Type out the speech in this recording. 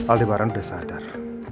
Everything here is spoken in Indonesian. aldebaran udah sadar